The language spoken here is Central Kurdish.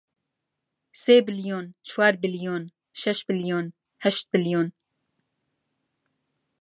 سێ بلیۆن، چوار بلیۆن، شەش بلیۆن، هەشت بلیۆن